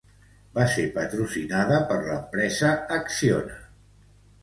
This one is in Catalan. Va ser patrocinada per l'empresa espanyola Acciona.